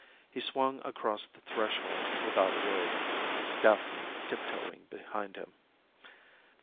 He swung across the threshold without a word, Daphne tiptoeing behind him.